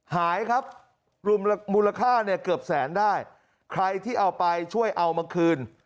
หายครับรวมมูลค่าเนี่ยเกือบแสนได้ใครที่เอาไปช่วยเอามาคืน